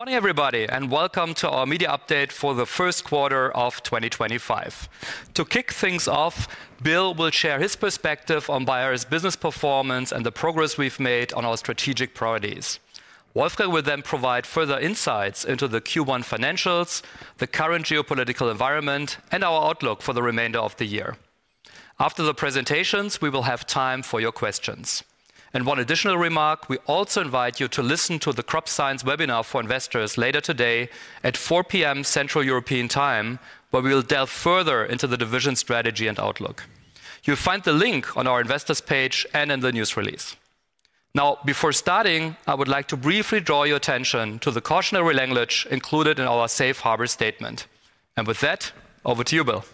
Morning, everybody, and welcome our media update for the first quarter of 2025. To kick things off, Bill will share his perspective on Bayer's business performance and the progress we've made on our strategic priorities. Wolfgang will then provide further insights into the Q1 financials, the current geopolitical environment, and our outlook for the remainder of the year. After the presentations, we will have time for your questions. One additional remark: we also invite you to listen to the Crop Science webinar for investors later today at 4:00 P.M. Central European Time, where we will delve further into the division strategy and outlook. You'll find the link on our investors' page and in the news release. Now, before starting, I would like to briefly draw your attention to the cautionary language included in our Safe Harbor Statement. With that, over to you, Bill.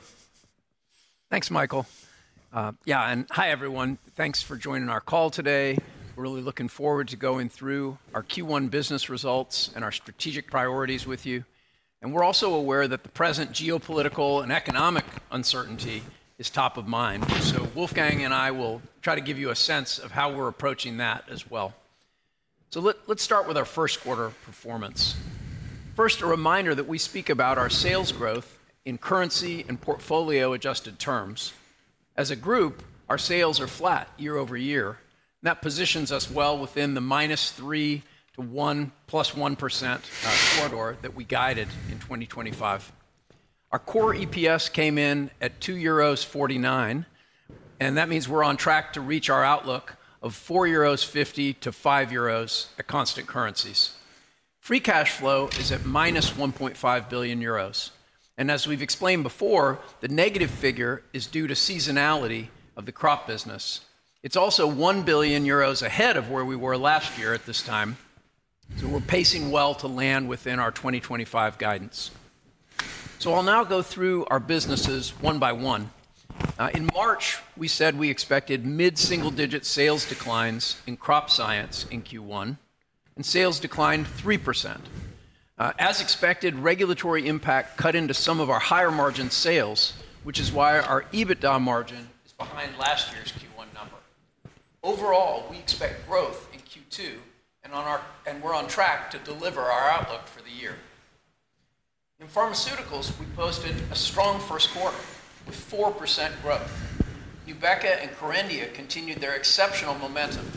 Thanks, Michael. Yeah, and hi, everyone. Thanks for joining our call today. We're really looking forward to going through our Q1 business results and our strategic priorities with you. We're also aware that the present geopolitical and economic uncertainty is top of mind. Wolfgang and I will try to give you a sense of how we're approaching that as well. Let's start with our first quarter performance. First, a reminder that we speak about our sales growth in currency and portfolio-adjusted terms. As a group, our sales are flat year over year. That positions us well within the -3% to +1% corridor that we guided in 2025. Our core EPS came in at 2.49 euros, and that means we're on track to reach our outlook of 4.50-5.00 euros at constant currencies. Free cash flow is at -1.5 billion euros. As we have explained before, the negative figure is due to seasonality of the crop business. It is also 1 billion euros ahead of where we were last year at this time. We are pacing well to land within our 2025 guidance. I will now go through our businesses one by one. In March, we said we expected mid-single-digit sales declines in Crop Science in Q1, and sales declined 3%. As expected, regulatory impact cut into some of our higher margin sales, which is why our EBITDA margin is behind last year's Q1 number. Overall, we expect growth in Q2, and we are on track to deliver our outlook for the year. In Pharmaceuticals, we posted a strong first quarter with 4% growth. Nubeqa and Kerendia continued their exceptional momentum.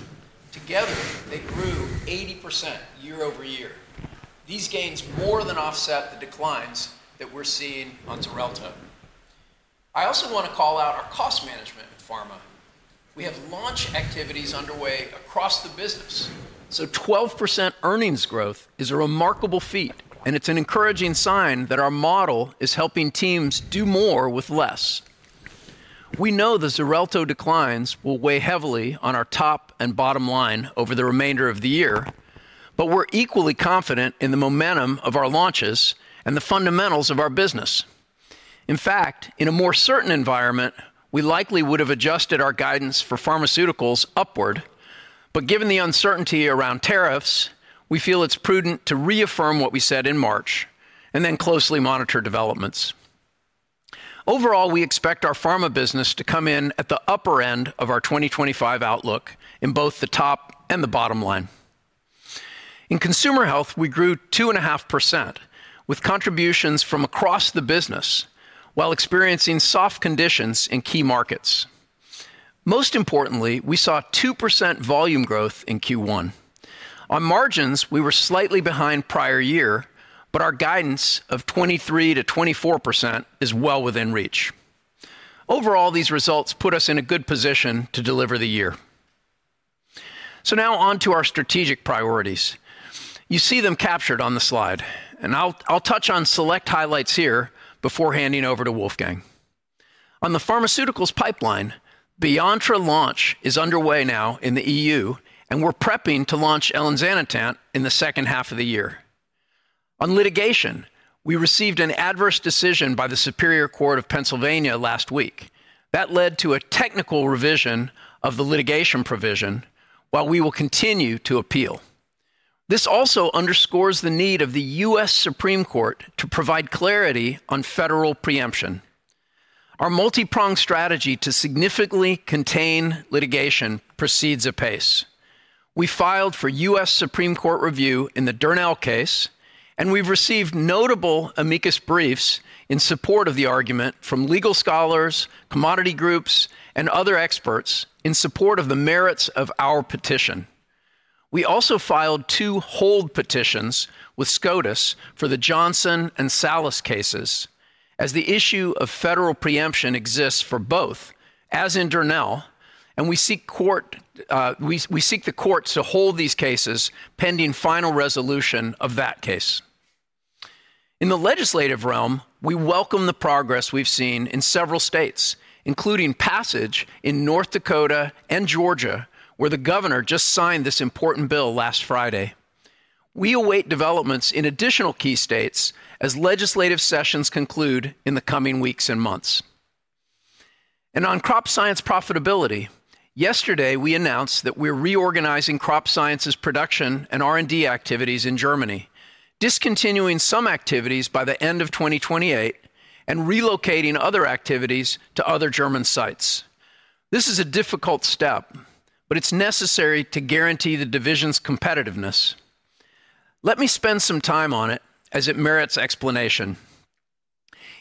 Together, they grew 80% year over year. These gains more than offset the declines that we are seeing on Xarelto. I also want to call out our cost management in pharma. We have launch activities underway across the business. So 12% earnings growth is a remarkable feat, and it's an encouraging sign that our model is helping teams do more with less. We know the Xarelto declines will weigh heavily on our top and bottom line over the remainder of the year, but we're equally confident in the momentum of our launches and the fundamentals of our business. In fact, in a more certain environment, we likely would have adjusted our guidance for pharmaceuticals upward. Given the uncertainty around tariffs, we feel it's prudent to reaffirm what we said in March and then closely monitor developments. Overall, we expect our pharma business to come in at the upper end of our 2025 outlook in both the top and the bottom line. In Consumer Health, we grew 2.5% with contributions from across the business while experiencing soft conditions in key markets. Most importantly, we saw 2% volume growth in Q1. On margins, we were slightly behind prior year, but our guidance of 23%-24% is well within reach. Overall, these results put us in a good position to deliver the year. Now on to our strategic priorities. You see them captured on the slide, and I'll touch on select highlights here before handing over to Wolfgang. On the Pharmaceuticals pipeline, Beyontra launch is underway now in the EU, and we're prepping to launch Elinzanetant in the second half of the year. On litigation, we received an adverse decision by the Superior Court of Pennsylvania last week. That led to a technical revision of the litigation provision, while we will continue to appeal. This also underscores the need of the U.S. Supreme Court to provide clarity on federal preemption. Our multi-pronged strategy to significantly contain litigation precedes apace. We filed for U.S. Supreme Court review in the Darnell case, and we've received notable amicus briefs in support of the argument from legal scholars, commodity groups, and other experts in support of the merits of our petition. We also filed two hold petitions with SCOTUS for the Johnson and Salas cases, as the issue of federal preemption exists for both, as in Darnell, and we seek the courts to hold these cases pending final resolution of that case. In the legislative realm, we welcome the progress we've seen in several states, including passage in North Dakota and Georgia, where the governor just signed this important bill last Friday. We await developments in additional key states as legislative sessions conclude in the coming weeks and months. On crop science profitability, yesterday we announced that we're reorganizing Crop Science's production and R&D activities in Germany, discontinuing some activities by the end of 2028 and relocating other activities to other German sites. This is a difficult step, but it's necessary to guarantee the division's competitiveness. Let me spend some time on it, as it merits explanation.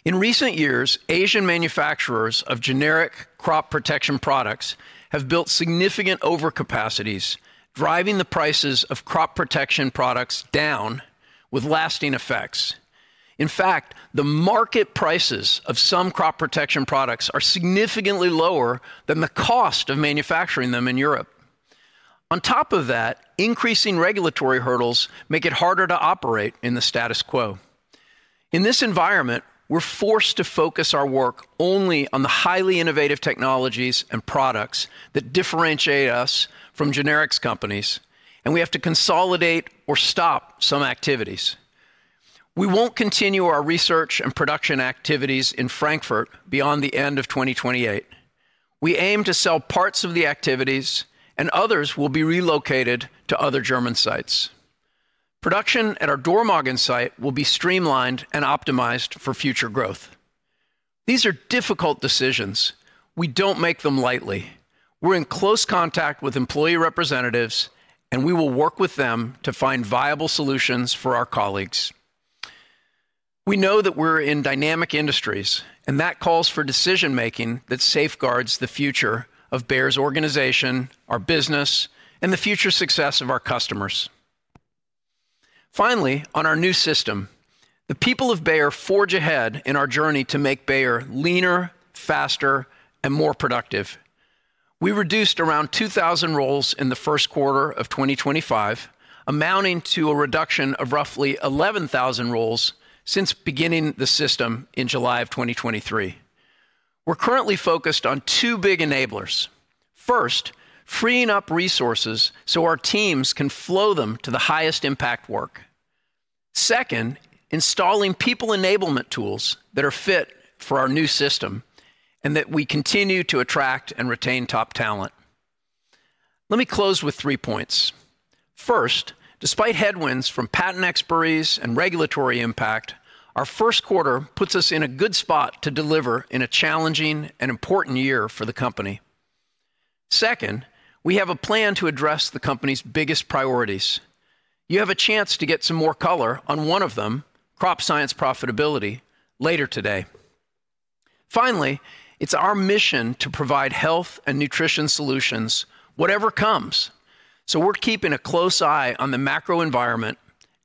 In recent years, Asian manufacturers of generic crop protection products have built significant overcapacities, driving the prices of crop protection products down with lasting effects. In fact, the market prices of some crop protection products are significantly lower than the cost of manufacturing them in Europe. On top of that, increasing regulatory hurdles make it harder to operate in the status quo. In this environment, we're forced to focus our work only on the highly innovative technologies and products that differentiate us from generics companies, and we have to consolidate or stop some activities. We won't continue our research and production activities in Frankfurt beyond the end of 2028. We aim to sell parts of the activities, and others will be relocated to other German sites. Production at our Dormagen site will be streamlined and optimized for future growth. These are difficult decisions. We don't make them lightly. We're in close contact with employee representatives, and we will work with them to find viable solutions for our colleagues. We know that we're in dynamic industries, and that calls for decision-making that safeguards the future of Bayer's organization, our business, and the future success of our customers. Finally, on our new system, the people of Bayer forge ahead in our journey to make Bayer leaner, faster, and more productive. We reduced around 2,000 roles in the first quarter of 2025, amounting to a reduction of roughly 11,000 roles since beginning the system in July of 2023. We're currently focused on two big enablers. First, freeing up resources so our teams can flow them to the highest impact work. Second, installing people enablement tools that are fit for our new system and that we continue to attract and retain top talent. Let me close with three points. First, despite headwinds from patent expirations and regulatory impact, our first quarter puts us in a good spot to deliver in a challenging and important year for the company. Second, we have a plan to address the company's biggest priorities. You have a chance to get some more color on one of them, crop science profitability, later today. Finally, it is our mission to provide health and nutrition solutions, whatever comes. We are keeping a close eye on the macro environment,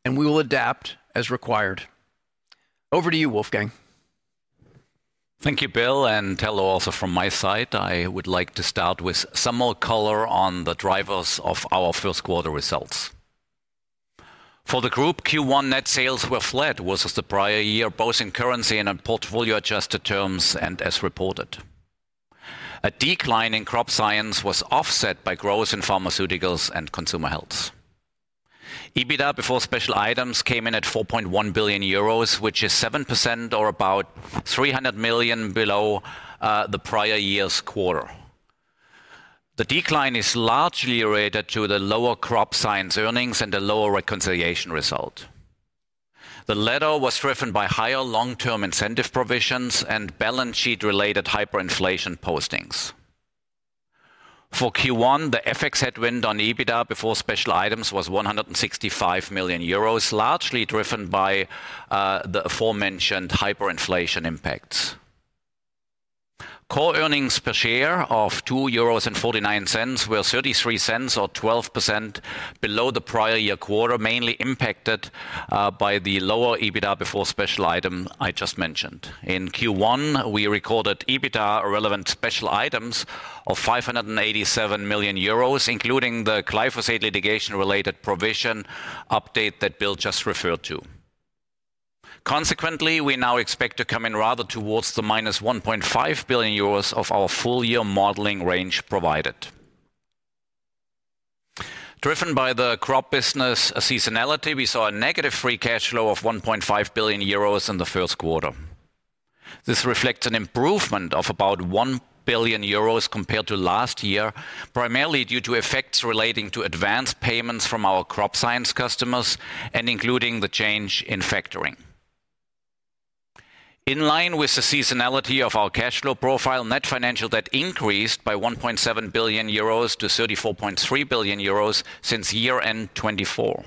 and we will adapt as required. Over to you, Wolfgang. Thank you, Bill. Hello also from my side. I would like to start with some more color on the drivers of our first quarter results. For the group, Q1 net sales were flat versus the prior year, both in currency and on portfolio-adjusted terms and as reported. A decline in Crop Science was offset by growth in Pharmaceuticals and Consumer Health. EBITDA before special items came in at 4.1 billion euros, which is 7% or about 300 million below the prior year's quarter. The decline is largely related to the lower Crop Science earnings and the lower reconciliation result. The latter was driven by higher long-term incentive provisions and balance sheet-related hyperinflation postings. For Q1, the FX headwind on EBITDA before special items was 165 million euros, largely driven by the aforementioned hyperinflation impacts. Core earnings per share of 2.49 euros were 0.33, or 12% below the prior year quarter, mainly impacted by the lower EBITDA before special items I just mentioned. In Q1, we recorded EBITDA-relevant special items of 587 million euros, including the glyphosate litigation-related provision update that Bill just referred to. Consequently, we now expect to come in rather towards the minus 1.5 billion euros of our full-year modeling range provided. Driven by the crop business seasonality, we saw a negative free cash flow of 1.5 billion euros in the first quarter. This reflects an improvement of about 1 billion euros compared to last year, primarily due to effects relating to advance payments from our Crop Science customers and including the change in factoring. In line with the seasonality of our cash flow profile, net financial debt increased by 1.7 billion euros to 34.3 billion euros since year-end 2024.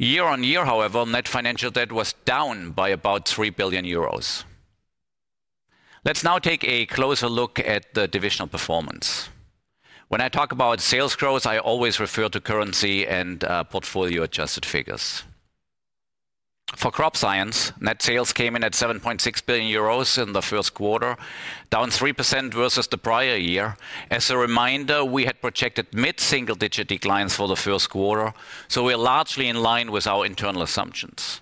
Year on year, however, net financial debt was down by about 3 billion euros. Let's now take a closer look at the divisional performance. When I talk about sales growth, I always refer to currency and portfolio-adjusted figures. For Crop Science, net sales came in at 7.6 billion euros in the first quarter, down 3% versus the prior year. As a reminder, we had projected mid-single-digit declines for the first quarter, so we're largely in line with our internal assumptions.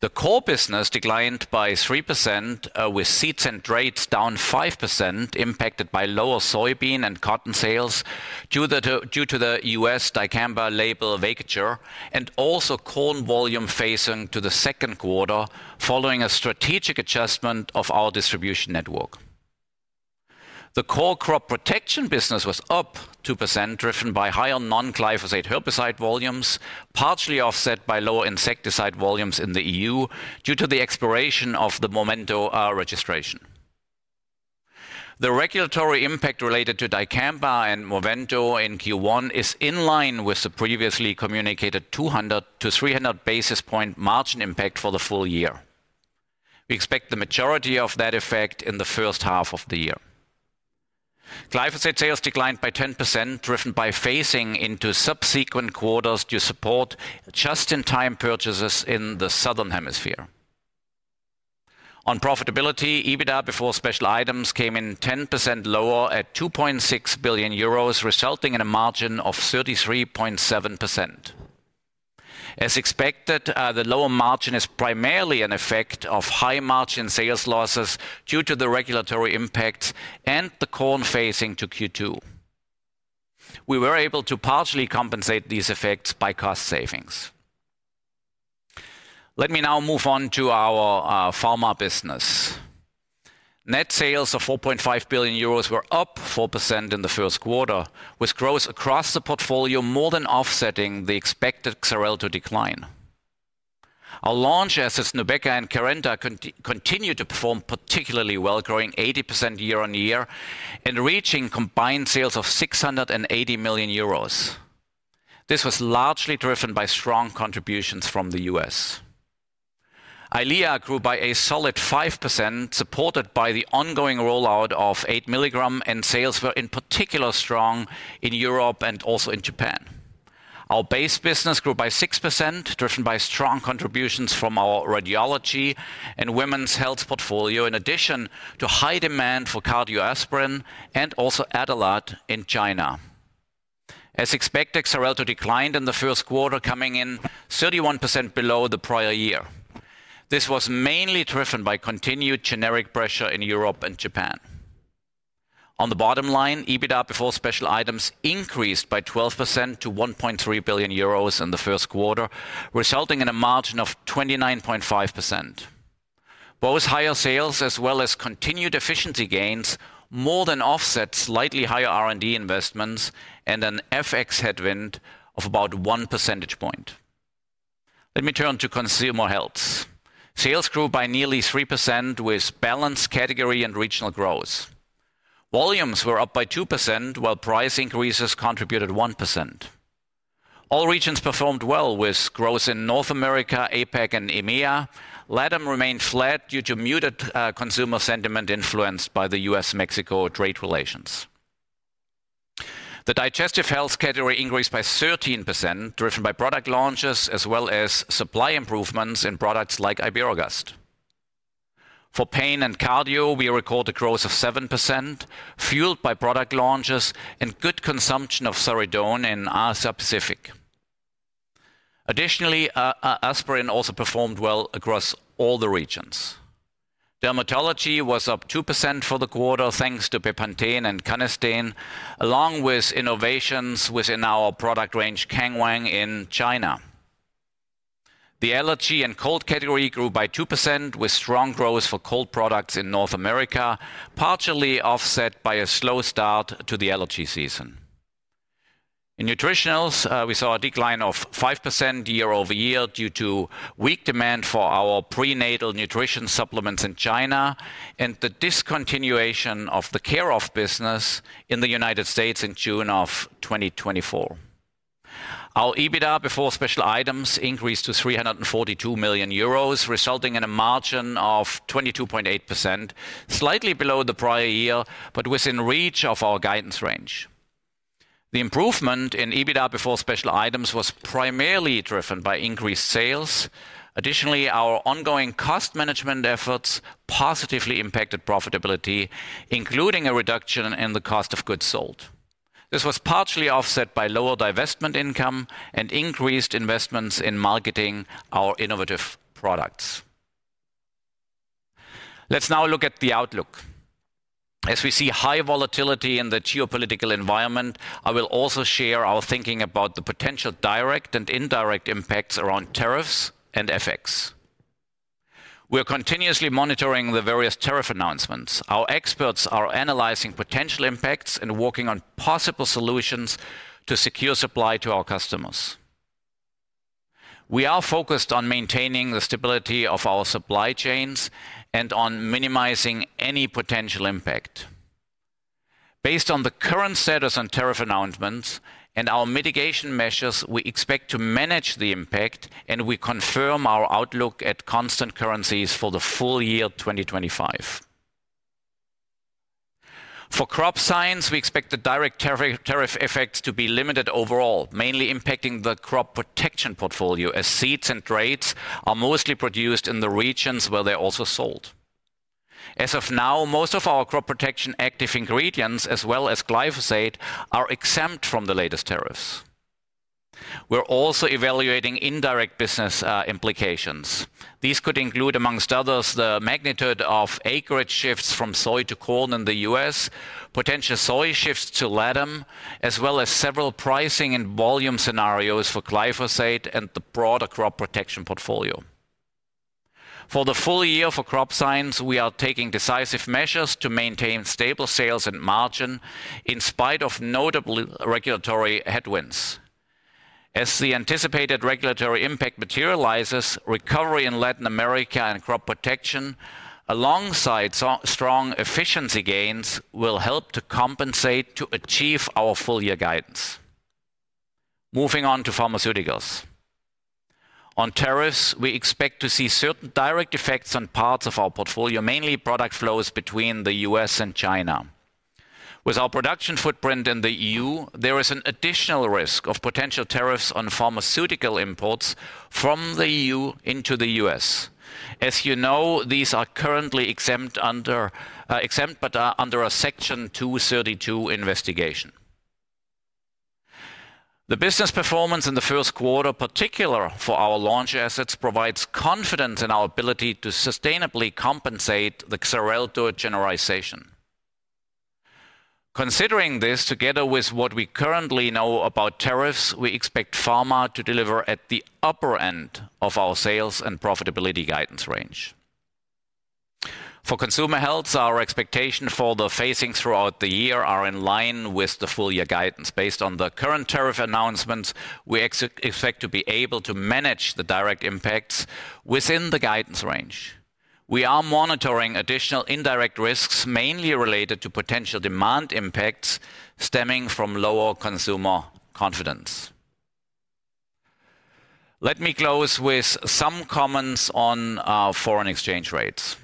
The core business declined by 3%, with Seeds and Traits down 5%, impacted by lower soybean and cotton sales due to the U.S. dicamba label vacature and also corn volume facing to the second quarter following a strategic adjustment of our distribution network. The core crop protection business was up 2%, driven by higher non-glyphosate herbicide volumes, partially offset by lower insecticide volumes in the EU due to the expiration of the MOVENTO registration. The regulatory impact related to dicamba and MOVENTO in Q1 is in line with the previously communicated 200-300 basis point margin impact for the full year. We expect the majority of that effect in the first half of the year. Glyphosate sales declined by 10%, driven by phasing into subsequent quarters to support just-in-time purchases in the southern hemisphere. On profitability, EBITDA before special items came in 10% lower at 2.6 billion euros, resulting in a margin of 33.7%. As expected, the lower margin is primarily an effect of high-margin sales losses due to the regulatory impacts and the corn phasing to Q2. We were able to partially compensate these effects by cost savings. Let me now move on to our pharma business. Net sales of 4.5 billion euros were up 4% in the first quarter, with growth across the portfolio more than offsetting the expected Xarelto decline. Our launch assets, Nubeqa and Kerendia, continued to perform particularly well, growing 80% year on year and reaching combined sales of 680 million euros. This was largely driven by strong contributions from the U.S. Eylea grew by a solid 5%, supported by the ongoing rollout of 8 milligram, and sales were in particular strong in Europe and also in Japan. Our base business grew by 6%, driven by strong contributions from our radiology and women's health portfolio, in addition to high demand for Aspirin and also Adalat in China. As expected, Xarelto declined in the first quarter, coming in 31% below the prior year. This was mainly driven by continued generic pressure in Europe and Japan. On the bottom line, EBITDA before special items increased by 12% to 1.3 billion euros in the first quarter, resulting in a margin of 29.5%. Both higher sales as well as continued efficiency gains more than offset slightly higher R&D investments and an FX headwind of about 1 percentage point. Let me turn to Consumer Health. Sales grew by nearly 3% with balanced category and regional growth. Volumes were up by 2%, while price increases contributed 1%. All regions performed well, with growth in North America, APAC, and EMEA. Latter remained flat due to muted consumer sentiment influenced by the U.S.-Mexico trade relations. The Digestive Health category increased by 13%, driven by product launches as well as supply improvements in products like Iberogast. For pain and cardio, we recorded growth of 7%, fueled by product launches and good consumption of Saridone in APAC. Additionally, Aspirin also performed well across all the regions. Dermatology was up 2% for the quarter, thanks to Bepanthen and Canesten, along with innovations within our product range, Kangwang, in China. The allergy and cold category grew by 2%, with strong growth for cold products in North America, partially offset by a slow start to the allergy season. In nutritionals, we saw a decline of 5% year over year due to weak demand for our prenatal nutrition supplements in China and the discontinuation of the Care/of business in the U.S. in June of 2024. Our EBITDA before special items increased to 342 million euros, resulting in a margin of 22.8%, slightly below the prior year, but within reach of our guidance range. The improvement in EBITDA before special items was primarily driven by increased sales. Additionally, our ongoing cost management efforts positively impacted profitability, including a reduction in the cost of goods sold. This was partially offset by lower divestment income and increased investments in marketing our innovative products. Let's now look at the outlook. As we see high volatility in the geopolitical environment, I will also share our thinking about the potential direct and indirect impacts around tariffs and FX. We are continuously monitoring the various tariff announcements. Our experts are analyzing potential impacts and working on possible solutions to secure supply to our customers. We are focused on maintaining the stability of our supply chains and on minimizing any potential impact. Based on the current status on tariff announcements and our mitigation measures, we expect to manage the impact, and we confirm our outlook at constant currencies for the full year 2025. For Crop Science, we expect the direct tariff effects to be limited overall, mainly impacting the Crop Protection portfolio, as Seeds and Traits are mostly produced in the regions where they're also sold. As of now, most of our Crop Protection active ingredients, as well as glyphosate, are exempt from the latest tariffs. We're also evaluating indirect business implications. These could include, amongst others, the magnitude of acreage shifts from soy to corn in the U.S., potential soy shifts to latter, as well as several pricing and volume scenarios for glyphosate and the broader Crop Protection portfolio. For the full year for Crop Science, we are taking decisive measures to maintain stable sales and margin in spite of notable regulatory headwinds. As the anticipated regulatory impact materializes, recovery in Latin America and Crop Protection, alongside strong efficiency gains, will help to compensate to achieve our full-year guidance. Moving on to Pharmaceuticals. On tariffs, we expect to see certain direct effects on parts of our portfolio, mainly product flows between the U.S. and China. With our production footprint in the EU, there is an additional risk of potential tariffs on pharmaceutical imports from the EU into the U.S. As you know, these are currently exempt but are under a Section 232 investigation. The business performance in the first quarter, particular for our launch assets, provides confidence in our ability to sustainably compensate the Xarelto generalization. Considering this, together with what we currently know about tariffs, we expect pharma to deliver at the upper end of our sales and profitability guidance range. For consumer health, our expectations for the phasings throughout the year are in line with the full-year guidance. Based on the current tariff announcements, we expect to be able to manage the direct impacts within the guidance range. We are monitoring additional indirect risks, mainly related to potential demand impacts stemming from lower consumer confidence. Let me close with some comments on foreign exchange rates.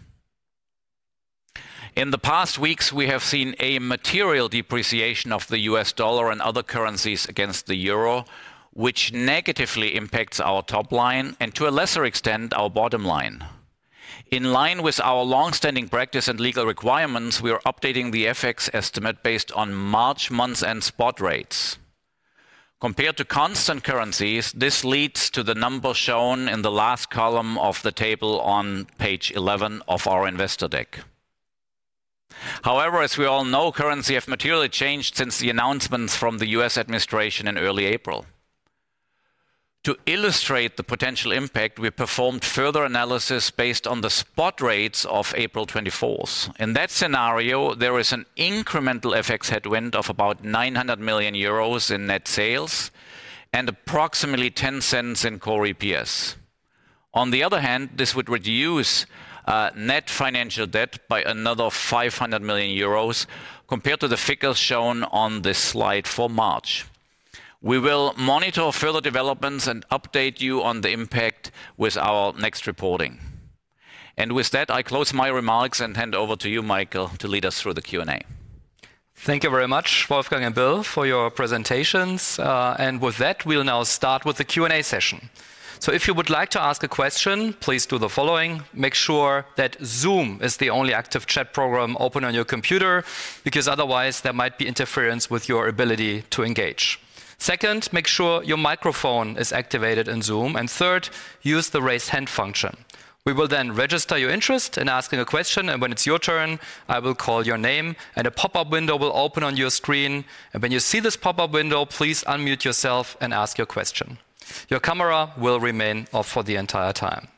In the past weeks, we have seen a material depreciation of the U.S. dollar and other currencies against the euro, which negatively impacts our top line and, to a lesser extent, our bottom line. In line with our longstanding practice and legal requirements, we are updating the FX estimate based on March months and spot rates. Compared to constant currencies, this leads to the number shown in the last column of the table on page 11 of our investor deck. However, as we all know, currency has materially changed since the announcements from the U.S. administration in early April. To illustrate the potential impact, we performed further analysis based on the spot rates of April 24. In that scenario, there is an incremental FX headwind of about 900 million euros in net sales and approximately 0.10 in core EPS. On the other hand, this would reduce net financial debt by another 500 million euros compared to the figures shown on this slide for March. We will monitor further developments and update you on the impact with our next reporting. I close my remarks and hand over to you, Michael, to lead us through the Q&A. Thank you very much, Wolfgang and Bill, for your presentations. With that, we'll now start with the Q&A session. If you would like to ask a question, please do the following. Make sure that Zoom is the only active chat program open on your computer, because otherwise there might be interference with your ability to engage. Second, make sure your microphone is activated in Zoom. Third, use the raise hand function. We will then register your interest in asking a question, and when it's your turn, I will call your name, and a pop-up window will open on your screen. When you see this pop-up window, please unmute yourself and ask your question. Your camera will remain off for the entire time.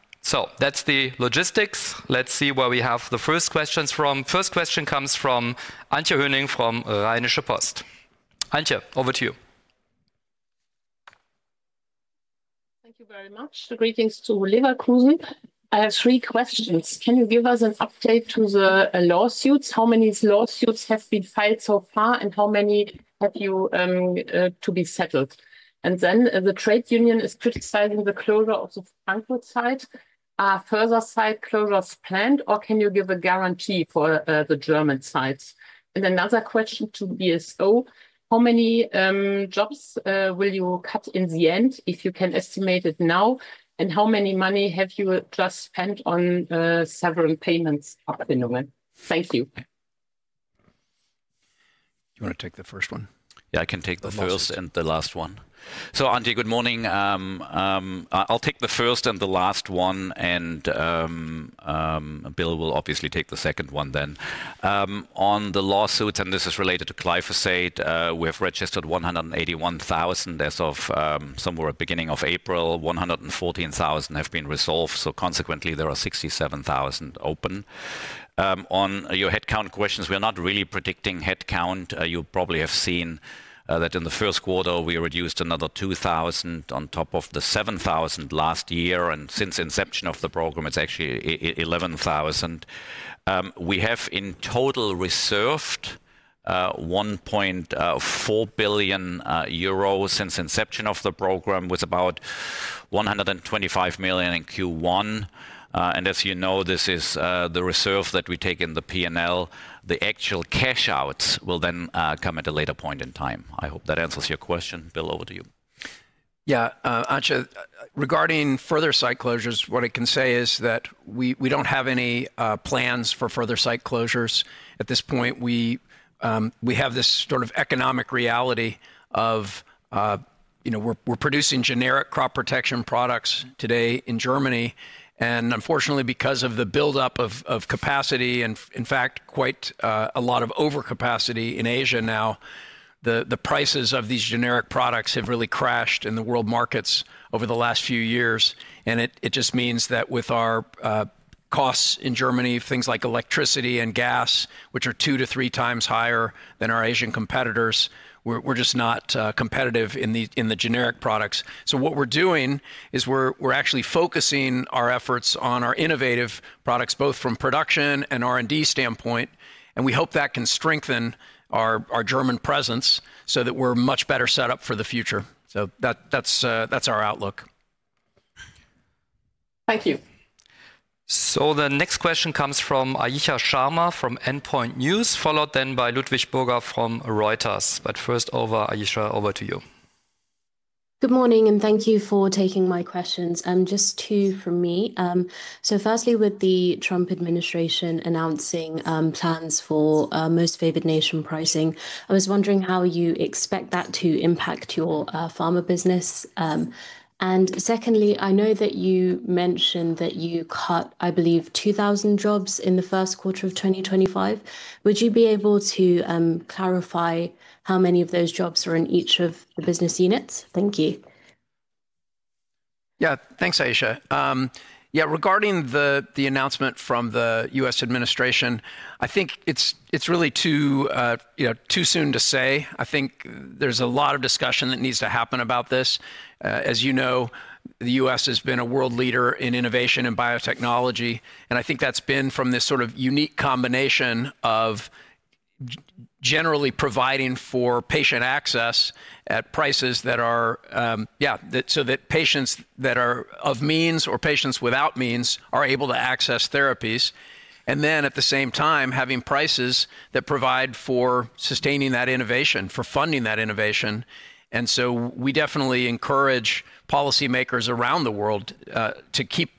That is the logistics. Let's see where we have the first questions from. First question comes from Antje Höning from Rheinische Post. Antje, over to you. Thank you very much. Greetings to Leverkusen. I have three questions. Can you give us an update to the lawsuits? How many lawsuits have been filed so far, and how many have you to be settled? The trade union is criticizing the closure of the Frankfurt site. Are further site closures planned, or can you give a guarantee for the German sites? Another question to BSO: How many jobs will you cut in the end, if you can estimate it now? How much money have you just spent on several payments up in the wind? Thank you. You want to take the first one? Yeah, I can take the first and the last one. Antje, good morning. I'll take the first and the last one, and Bill will obviously take the second one then. On the lawsuits, and this is related to glyphosate, we have registered 181,000 as of somewhere at the beginning of April. 114,000 have been resolved, so consequently, there are 67,000 open. On your headcount questions, we are not really predicting headcount. You probably have seen that in the first quarter, we reduced another 2,000 on top of the 7,000 last year. Since inception of the program, it's actually 11,000. We have in total reserved 1.4 billion euros since inception of the program, with about 125 million in Q1. As you know, this is the reserve that we take in the P&L. The actual cash-outs will then come at a later point in time. I hope that answers your question. Bill, over to you. Yeah, Antje, regarding further site closures, what I can say is that we don't have any plans for further site closures at this point. We have this sort of economic reality of we're producing generic crop protection products today in Germany. Unfortunately, because of the buildup of capacity and, in fact, quite a lot of overcapacity in Asia now, the prices of these generic products have really crashed in the world markets over the last few years. It just means that with our costs in Germany, things like electricity and gas, which are two to three times higher than our Asian competitors, we're just not competitive in the generic products. What we're doing is we're actually focusing our efforts on our innovative products, both from production and R&D standpoint. We hope that can strengthen our German presence so that we're much better set up for the future. That's our outlook. Thank you. The next question comes from Ayisha Sharma from Endpoint News, followed by Ludwig Burger from Reuters. First, over to Ayisha. Good morning, and thank you for taking my questions. Just two from me. Firstly, with the Trump administration announcing plans for most favored nation pricing, I was wondering how you expect that to impact your pharma business. Secondly, I know that you mentioned that you cut, I believe, 2,000 jobs in the first quarter of 2025. Would you be able to clarify how many of those jobs are in each of the business units? Thank you. Yeah, thanks, Ayisha. Regarding the announcement from the U.S. administration, I think it's really too soon to say. I think there's a lot of discussion that needs to happen about this. As you know, the U.S. has been a world leader in innovation and biotechnology. I think that's been from this sort of unique combination of generally providing for patient access at prices that are, yeah, so that patients that are of means or patients without means are able to access therapies. At the same time, having prices that provide for sustaining that innovation, for funding that innovation. We definitely encourage policymakers around the world to keep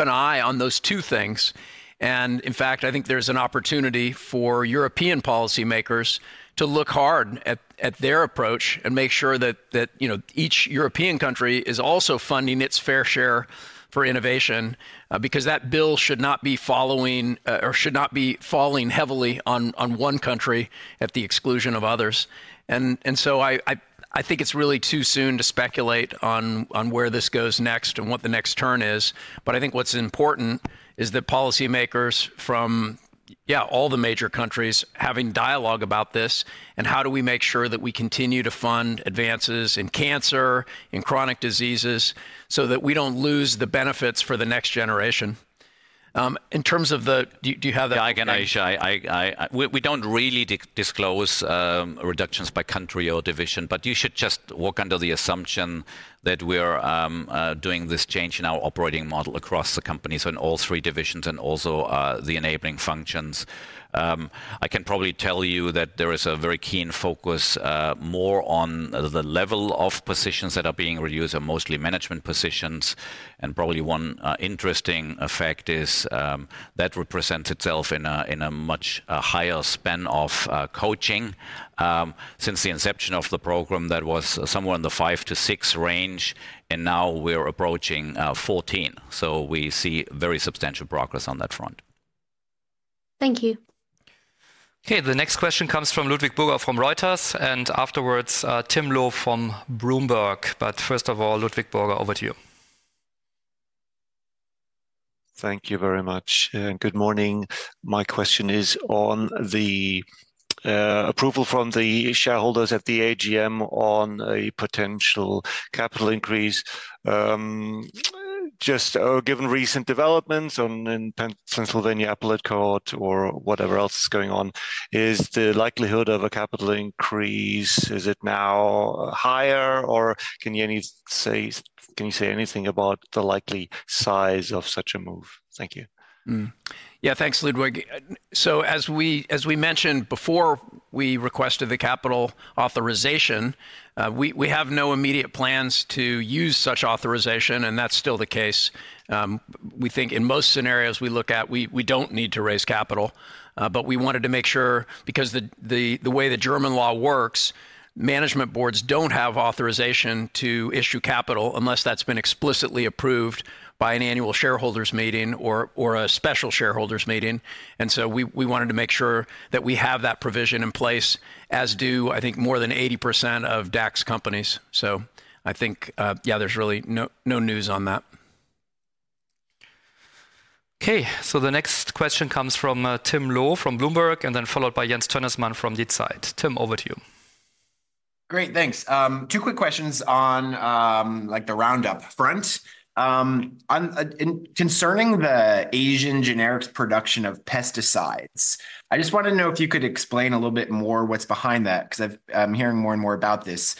an eye on those two things. In fact, I think there's an opportunity for European policymakers to look hard at their approach and make sure that each European country is also funding its fair share for innovation, because that bill should not be falling heavily on one country at the exclusion of others. I think it's really too soon to speculate on where this goes next and what the next turn is. I think what's important is that policymakers from, yeah, all the major countries are having dialogue about this and how do we make sure that we continue to fund advances in cancer, in chronic diseases, so that we don't lose the benefits for the next generation. In terms of the, yeah, again, Ayisha, we don't really disclose reductions by country or division, but you should just walk under the assumption that we are doing this change in our operating model across the companies in all three divisions and also the enabling functions. I can probably tell you that there is a very keen focus more on the level of positions that are being reduced, are mostly management positions. And probably one interesting fact is that represents itself in a much higher span of coaching. Since the inception of the program, that was somewhere in the five to six range, and now we're approaching 14. So we see very substantial progress on that front. Thank you. Okay, the next question comes from Ludwig Burger from Reuters, and afterwards, Tim Loh from Bloomberg. But first of all, Ludwig Burger, over to you. Thank you very much. Good morning. My question is on the approval from the shareholders at the AGM on a potential capital increase. Just given recent developments in Pennsylvania Appellate Court or whatever else is going on, is the likelihood of a capital increase, is it now higher, or can you say anything about the likely size of such a move? Thank you. Yeah, thanks, Ludwig. So as we mentioned before we requested the capital authorization, we have no immediate plans to use such authorization, and that's still the case. We think in most scenarios we look at, we do not need to raise capital. We wanted to make sure, because the way the German law works, management boards do not have authorization to issue capital unless that has been explicitly approved by an annual shareholders meeting or a special shareholders meeting. We wanted to make sure that we have that provision in place, as do, I think, more than 80% of DAX companies. I think, yeah, there is really no news on that. Okay, the next question comes from Tim Loh from Bloomberg, and then followed by Jens Tönnessmann from Die Zeit. Tim, over to you. Great, thanks. Two quick questions on the Roundup front. Concerning the Asian generics production of pesticides, I just wanted to know if you could explain a little bit more what is behind that, because I am hearing more and more about this.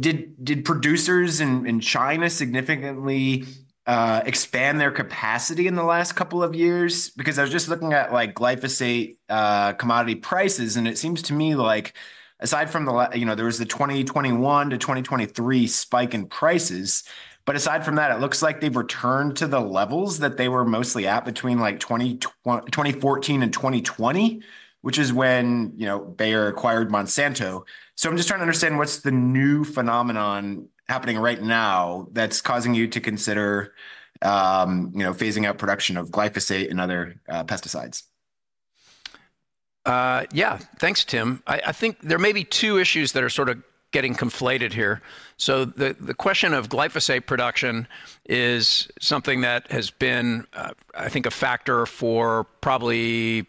Did producers in China significantly expand their capacity in the last couple of years? Because I was just looking at glyphosate commodity prices, and it seems to me like, aside from the, you know, there was the 2021 to 2023 spike in prices, but aside from that, it looks like they've returned to the levels that they were mostly at between 2014 and 2020, which is when Bayer acquired Monsanto. I am just trying to understand what's the new phenomenon happening right now that's causing you to consider phasing out production of glyphosate and other pesticides. Yeah, thanks, Tim. I think there may be two issues that are sort of getting conflated here. The question of glyphosate production is something that has been, I think, a factor for probably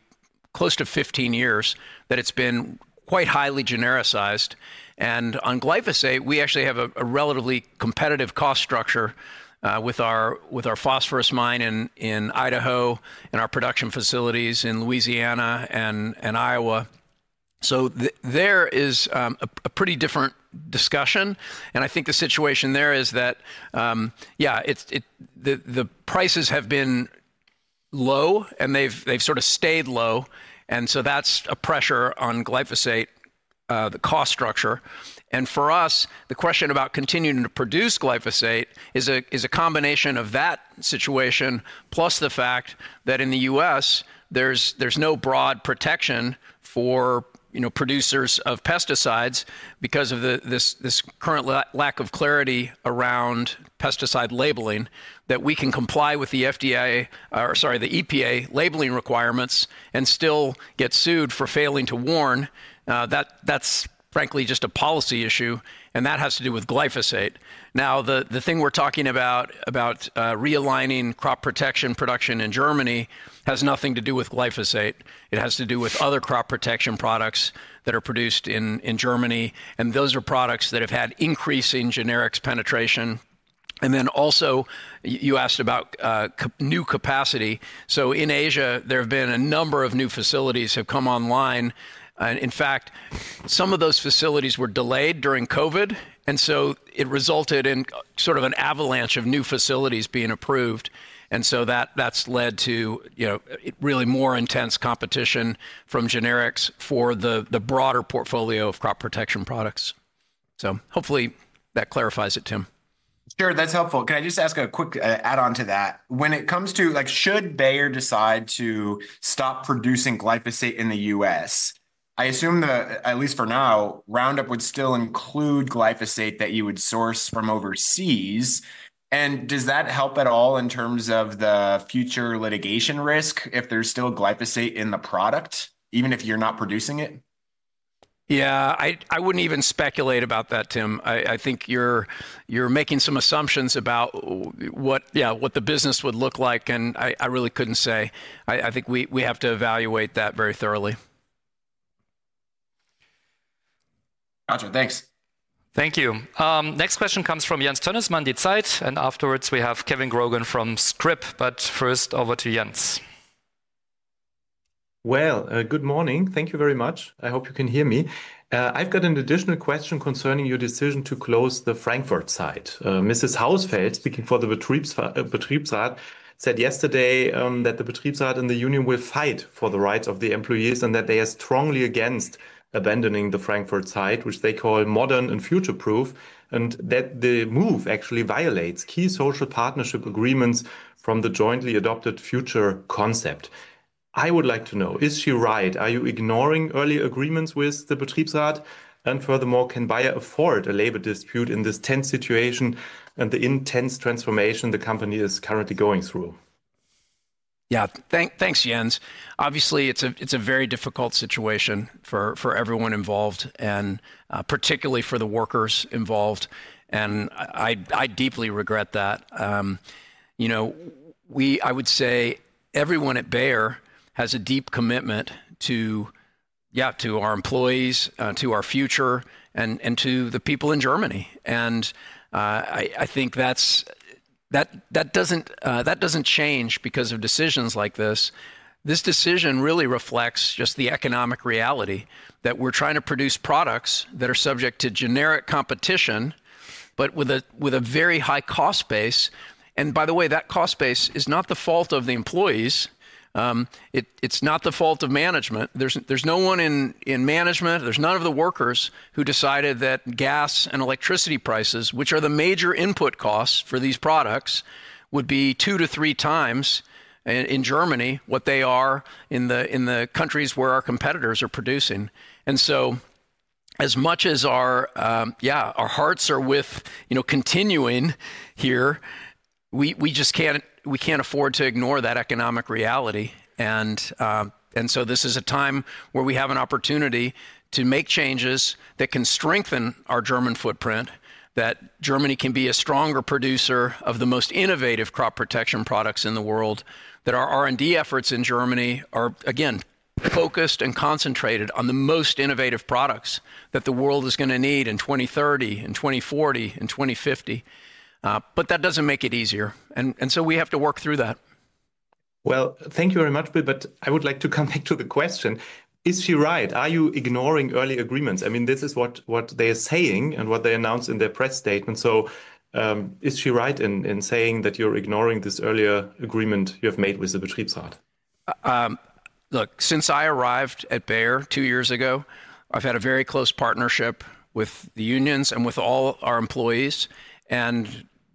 close to 15 years, that it's been quite highly genericized. On glyphosate, we actually have a relatively competitive cost structure with our phosphorus mine in Idaho and our production facilities in Louisiana and Iowa. There is a pretty different discussion. I think the situation there is that, yeah, the prices have been low, and they've sort of stayed low. That is a pressure on glyphosate, the cost structure. For us, the question about continuing to produce glyphosate is a combination of that situation, plus the fact that in the U.S., there is no broad protection for producers of pesticides because of this current lack of clarity around pesticide labeling, that we can comply with the EPA labeling requirements and still get sued for failing to warn. That is, frankly, just a policy issue, and that has to do with glyphosate. Now, the thing we're talking about, about realigning crop protection production in Germany, has nothing to do with glyphosate. It has to do with other crop protection products that are produced in Germany. Those are products that have had increasing generics penetration. You asked about new capacity. In Asia, there have been a number of new facilities that have come online. In fact, some of those facilities were delayed during COVID, and it resulted in sort of an avalanche of new facilities being approved. That has led to really more intense competition from generics for the broader portfolio of crop protection products. Hopefully that clarifies it, Tim. Sure, that's helpful. Can I just ask a quick add-on to that? When it comes to, like, should Bayer decide to stop producing glyphosate in the U.S., I assume that, at least for now, Roundup would still include glyphosate that you would source from overseas. Does that help at all in terms of the future litigation risk if there's still glyphosate in the product, even if you're not producing it? Yeah, I wouldn't even speculate about that, Tim. I think you're making some assumptions about what the business would look like, and I really couldn't say. I think we have to evaluate that very thoroughly. Roger, thanks. Thank you. Next question comes from Jens Tönnessmann, Die Zeit. Afterwards, we have Kevin Grogan from Scrip. First, over to Jens. Good morning. Thank you very much. I hope you can hear me. I've got an additional question concerning your decision to close the Frankfurt site. Mrs. Hausfeld, speaking for the Betriebsrat, said yesterday that the Betriebsrat and the union will fight for the rights of the employees and that they are strongly against abandoning the Frankfurt site, which they call modern and future-proof, and that the move actually violates key social partnership agreements from the jointly adopted future concept. I would like to know, is she right? Are you ignoring early agreements with the Betriebsrat? Furthermore, can Bayer afford a labor dispute in this tense situation and the intense transformation the company is currently going through? Yeah, thanks, Jens. Obviously, it's a very difficult situation for everyone involved, and particularly for the workers involved. I deeply regret that. I would say everyone at Bayer has a deep commitment to, yeah, to our employees, to our future, and to the people in Germany. I think that doesn't change because of decisions like this. This decision really reflects just the economic reality that we're trying to produce products that are subject to generic competition, but with a very high cost base. By the way, that cost base is not the fault of the employees. It's not the fault of management. There's no one in management, there's none of the workers who decided that gas and electricity prices, which are the major input costs for these products, would be two to three times in Germany what they are in the countries where our competitors are producing. As much as our hearts are with continuing here, we can't afford to ignore that economic reality. This is a time where we have an opportunity to make changes that can strengthen our German footprint, that Germany can be a stronger producer of the most innovative crop protection products in the world, that our R&D efforts in Germany are, again, focused and concentrated on the most innovative products that the world is going to need in 2030, in 2040, in 2050. That does not make it easier. We have to work through that. Thank you very much, but I would like to come back to the question. Is she right? Are you ignoring early agreements? I mean, this is what they are saying and what they announced in their press statement. Is she right in saying that you are ignoring this earlier agreement you have made with the Betriebsrat? Look, since I arrived at Bayer two years ago, I've had a very close partnership with the unions and with all our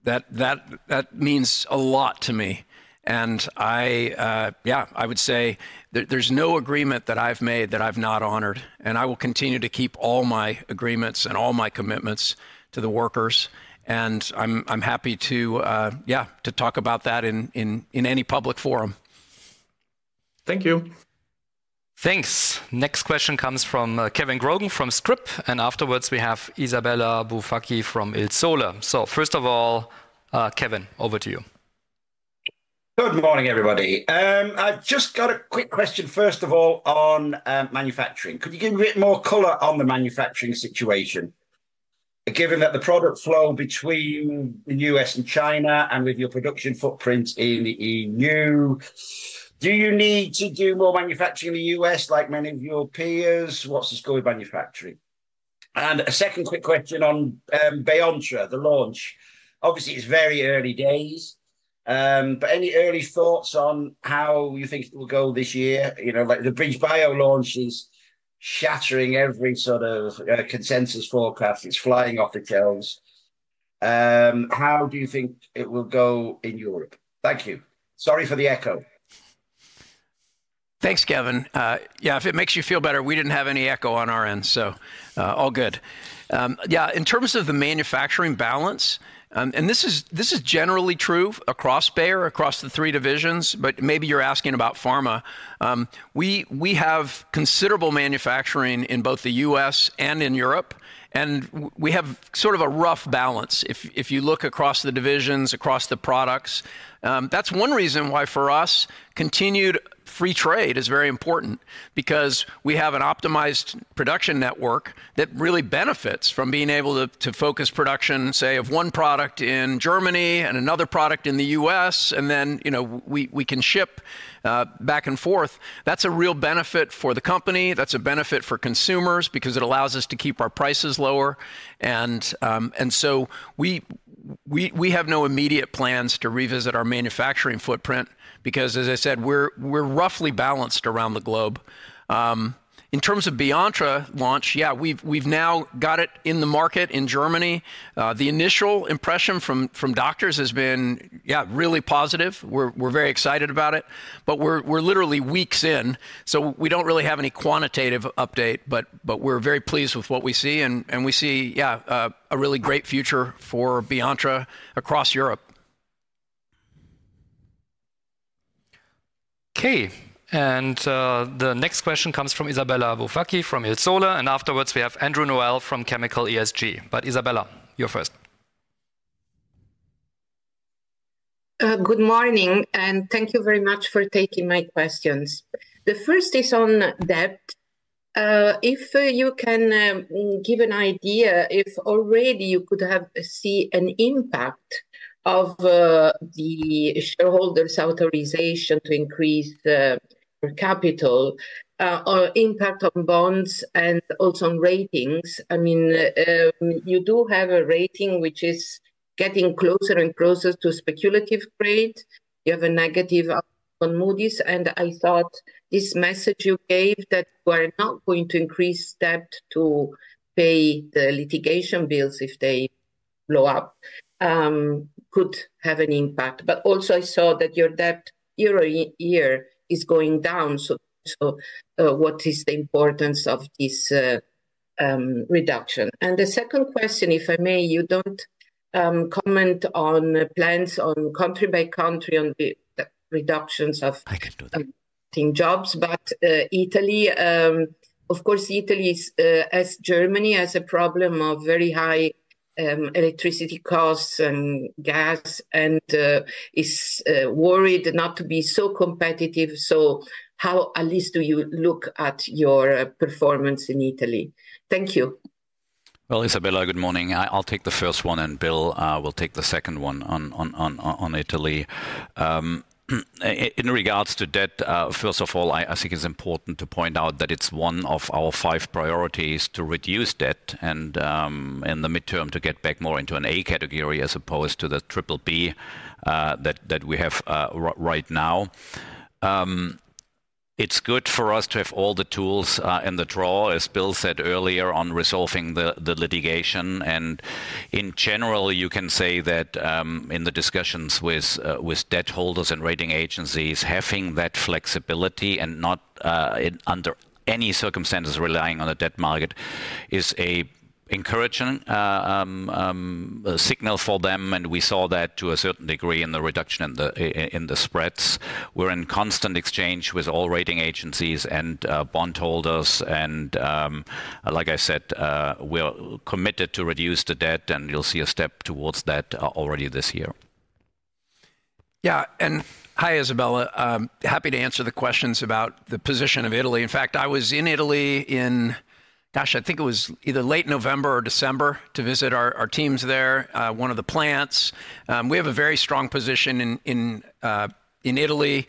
employees. That means a lot to me. Yeah, I would say there's no agreement that I've made that I've not honored. I will continue to keep all my agreements and all my commitments to the workers. I'm happy to, yeah, to talk about that in any public forum. Thank you. Thanks. Next question comes from Kevin Grogan from Scrip. Afterwards, we have Isabella Boufakis from Il Sole. First of all, Kevin, over to you. Good morning, everybody. I've just got a quick question, first of all, on manufacturing. Could you give a bit more color on the manufacturing situation, given that the product flow between the U.S. and China and with your production footprint in the EU, do you need to do more manufacturing in the U.S. like many of your peers? What's the story with manufacturing? A second quick question on Beyontra, the launch. Obviously, it's very early days. Any early thoughts on how you think it will go this year? The BridgeBio launch is shattering every sort of consensus forecast. It's flying off the shelves. How do you think it will go in Europe? Thank you. Sorry for the echo. Thanks, Kevin. Yeah, if it makes you feel better, we did not have any echo on our end, so all good. Yeah, in terms of the manufacturing balance, and this is generally true across Bayer, across the three divisions, but maybe you're asking about pharma. We have considerable manufacturing in both the U.S. and in Europe, and we have sort of a rough balance. If you look across the divisions, across the products, that's one reason why for us, continued free trade is very important because we have an optimized production network that really benefits from being able to focus production, say, of one product in Germany and another product in the U.S., and then we can ship back and forth. That's a real benefit for the company. That's a benefit for consumers because it allows us to keep our prices lower. We have no immediate plans to revisit our manufacturing footprint because, as I said, we're roughly balanced around the globe. In terms of Beyontra launch, yeah, we've now got it in the market in Germany. The initial impression from doctors has been, yeah, really positive. We're very excited about it, but we're literally weeks in. We do not really have any quantitative update, but we are very pleased with what we see. We see, yeah, a really great future for Beyontra across Europe. Okay. The next question comes from Isabella Bufacchi from Il Sole. Afterwards, we have Andrew Noel from Chemical ESG. Isabella, you are first. Good morning, and thank you very much for taking my questions. The first is on debt. If you can give an idea if already you could see an impact of the shareholders' authorization to increase capital or impact on bonds and also on ratings. I mean, you do have a rating which is getting closer and closer to speculative grade. You have a negative outlook on Moody's. I thought this message you gave that we are not going to increase debt to pay the litigation bills if they blow up could have an impact. I saw that your debt year over year is going down. What is the importance of this reduction? The second question, if I may, you do not comment on plans on country by country on the reductions of jobs. Italy, of course, has Germany as a problem of very high electricity costs and gas and is worried not to be so competitive. How, at least, do you look at your performance in Italy? Thank you. Isabella, good morning. I'll take the first one, and Bill will take the second one on Italy. In regards to debt, first of all, I think it is important to point out that it is one of our five priorities to reduce debt and in the midterm to get back more into an A category as opposed to the triple B that we have right now. It's good for us to have all the tools in the drawer, as Bill said earlier, on resolving the litigation. In general, you can say that in the discussions with debt holders and rating agencies, having that flexibility and not under any circumstances relying on the debt market is an encouraging signal for them. We saw that to a certain degree in the reduction in the spreads. We're in constant exchange with all rating agencies and bondholders. Like I said, we're committed to reduce the debt, and you'll see a step towards that already this year. Yeah. Hi, Isabella. Happy to answer the questions about the position of Italy. In fact, I was in Italy in, gosh, I think it was either late November or December to visit our teams there, one of the plants. We have a very strong position in Italy,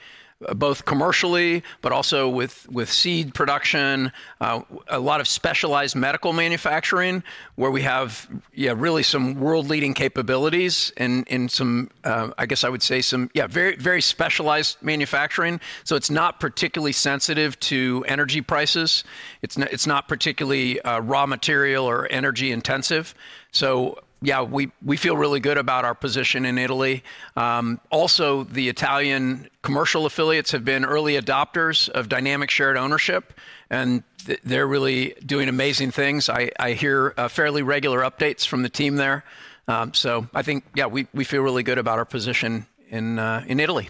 both commercially, but also with seed production, a lot of specialized medical manufacturing where we have really some world-leading capabilities and some, I guess I would say some, yeah, very specialized manufacturing. It is not particularly sensitive to energy prices. It is not particularly raw material or energy intensive. Yeah, we feel really good about our position in Italy. Also, the Italian commercial affiliates have been early adopters of dynamic shared ownership, and they are really doing amazing things. I hear fairly regular updates from the team there. I think, yeah, we feel really good about our position in Italy.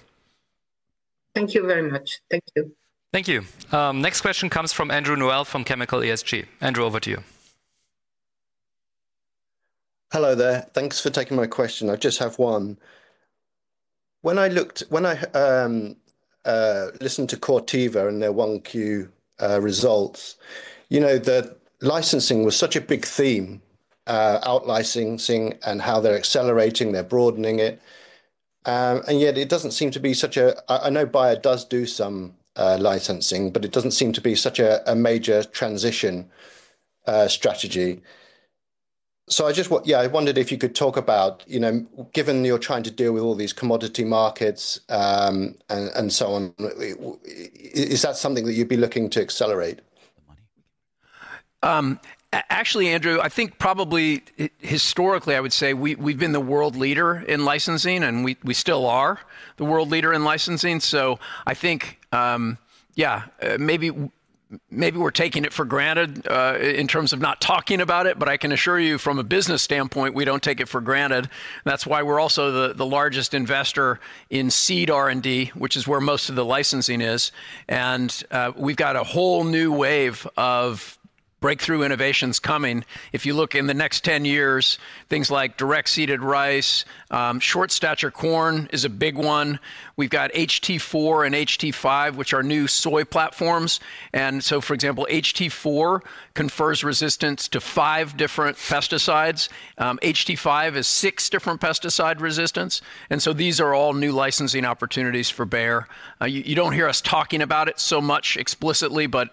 Thank you very much. Thank you. Thank you. Next question comes from Andrew Noël from chemicalESG. Andrew, over to you. Hello there. Thanks for taking my question. I just have one. When I listened to Corteva and their Q1 results, you know the licensing was such a big theme, outlicensing and how they're accelerating their broadening it. Yet it doesn't seem to be such a, I know Bayer does do some licensing, but it doesn't seem to be such a major transition strategy. I just, yeah, I wondered if you could talk about, given you're trying to deal with all these commodity markets and so on, is that something that you'd be looking to accelerate? Actually, Andrew, I think probably historically, I would say we've been the world leader in licensing, and we still are the world leader in licensing. I think, yeah, maybe we're taking it for granted in terms of not talking about it. I can assure you from a business standpoint, we don't take it for granted. That's why we're also the largest investor in seed R&D, which is where most of the licensing is. We've got a whole new wave of breakthrough innovations coming. If you look in the next 10 years, things like direct-seeded rice, short-stature corn is a big one. We've got HT4 and HT5, which are new soy platforms. For example, HT4 confers resistance to five different pesticides. HT5 is six different pesticide resistance. These are all new licensing opportunities for Bayer. You do not hear us talking about it so much explicitly, but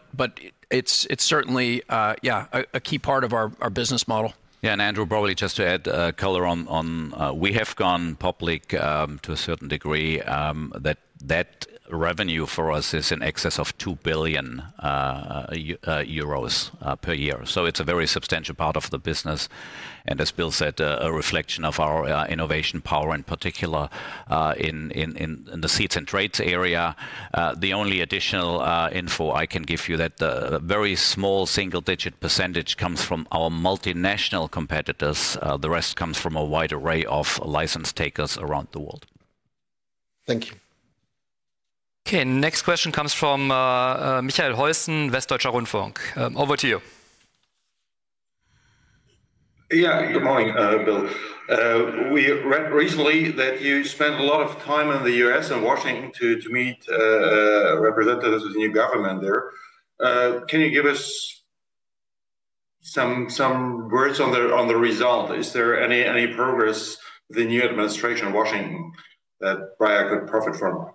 it is certainly, yeah, a key part of our business model. Yeah. Andrew, probably just to add color on, we have gone public to a certain degree that that revenue for us is in excess of 2 billion euros per year. It is a very substantial part of the business. As Bill said, a reflection of our innovation power in particular in the seeds and traits area. The only additional info I can give you is that a very small single-digit % comes from our multinational competitors. The rest comes from a wide array of license takers around the world. Thank you. Okay. Next question comes from Michael Heussen, Westdeutscher Rundfunk. Over to you. Yeah. Good morning, Bill. We read recently that you spent a lot of time in the U.S. and Washington to meet representatives of the new government there. Can you give us some words on the result? Is there any progress with the new administration in Washington that Bayer could profit from?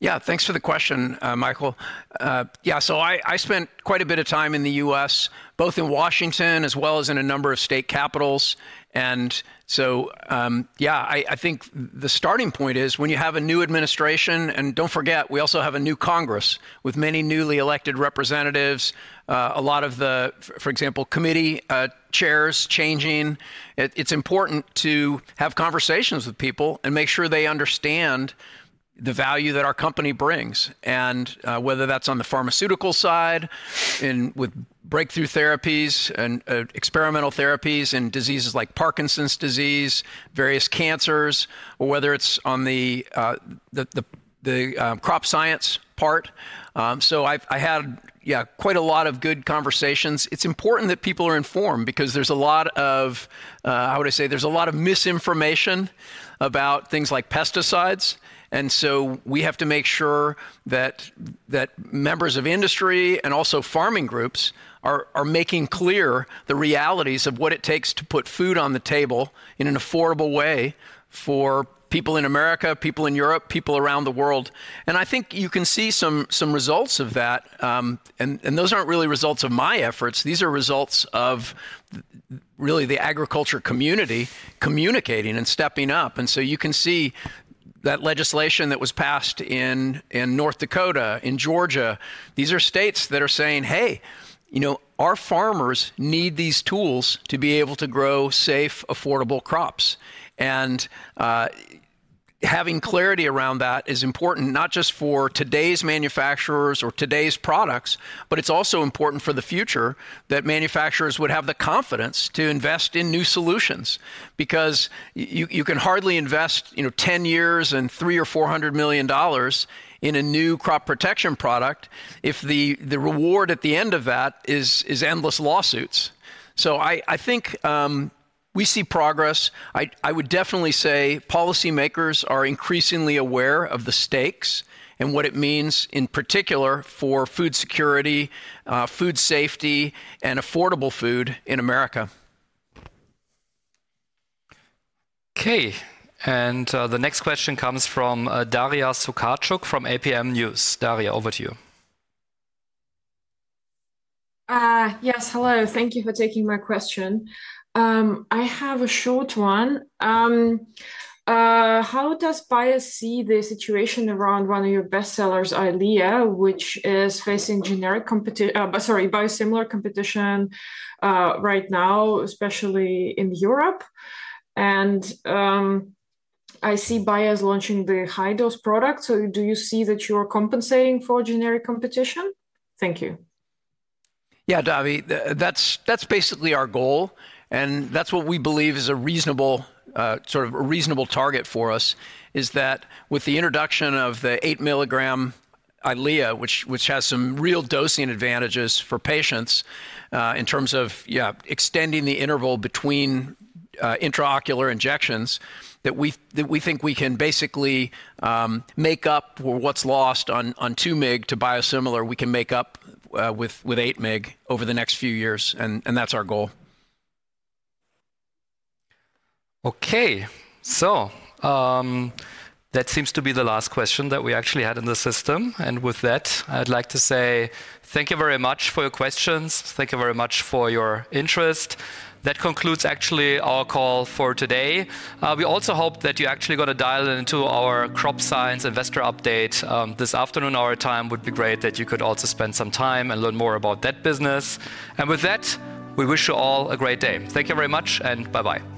Yeah. Thanks for the question, Michael. Yeah. I spent quite a bit of time in the U.S., both in Washington as well as in a number of state capitals. Yeah, I think the starting point is when you have a new administration, and don't forget, we also have a new Congress with many newly elected representatives, a lot of the, for example, committee chairs changing. It's important to have conversations with people and make sure they understand the value that our company brings, and whether that's on the pharmaceutical side with breakthrough therapies and experimental therapies in diseases like Parkinson's disease, various cancers, or whether it's on the crop science part. I had, yeah, quite a lot of good conversations. It's important that people are informed because there's a lot of, how would I say, there's a lot of misinformation about things like pesticides. We have to make sure that members of industry and also farming groups are making clear the realities of what it takes to put food on the table in an affordable way for people in America, people in Europe, people around the world. I think you can see some results of that. Those are not really results of my efforts. These are results of really the agriculture community communicating and stepping up. You can see that legislation that was passed in North Dakota, in Georgia, these are states that are saying, "Hey, our farmers need these tools to be able to grow safe, affordable crops." Having clarity around that is important not just for today's manufacturers or today's products, but it's also important for the future that manufacturers would have the confidence to invest in new solutions because you can hardly invest 10 years and $300 million or $400 million in a new crop protection product if the reward at the end of that is endless lawsuits. I think we see progress. I would definitely say policymakers are increasingly aware of the stakes and what it means in particular for food security, food safety, and affordable food in America. Okay. The next question comes from Daria Sukarczuk from APM News. Daria, over to you. Yes. Hello. Thank you for taking my question. I have a short one. How does Bayer see the situation around one of your bestsellers, Eylea, which is facing biosimilar competition right now, especially in Europe? And I see Bayer is launching the high-dose product. Do you see that you are compensating for generic competition? Thank you. Yeah, Davi, that's basically our goal. That's what we believe is a reasonable sort of a reasonable target for us is that with the introduction of the 8 milligram Eylea, which has some real dosing advantages for patients in terms of, yeah, extending the interval between intraocular injections, we think we can basically make up what's lost on 2 milligram to biosimilar, we can make up with 8 milligram over the next few years. That's our goal. Okay. That seems to be the last question that we actually had in the system. With that, I'd like to say thank you very much for your questions. Thank you very much for your interest. That concludes actually our call for today. We also hope that you actually got a dial into our Crop Science investor update this afternoon. Our time would be great that you could also spend some time and learn more about that business. With that, we wish you all a great day. Thank you very much and bye-bye.